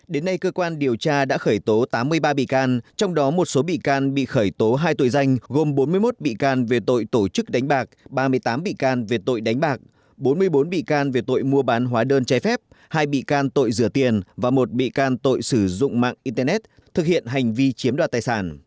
đến nay cơ quan điều tra đã khởi tố tám mươi ba bị can trong đó một số bị can bị khởi tố hai tội danh gồm bốn mươi một bị can về tội tổ chức đánh bạc ba mươi tám bị can về tội đánh bạc bốn mươi bốn bị can về tội mua bán hóa đơn trái phép hai bị can tội rửa tiền và một bị can tội sử dụng mạng internet thực hiện hành vi chiếm đoạt tài sản